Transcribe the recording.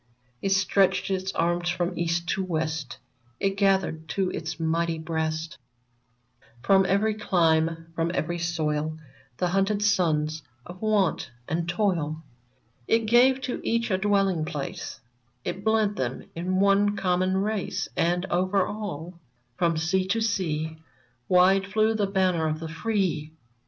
It stretched its arms from East to West ; It gathered to its mighty breast I20 VERMONT From every clime, from every soil, The hunted sons of want and toil ; It gave to each a dwelling place ; It blent them in one common race ; And over all, from sea to sea, Wide flew the banner of the free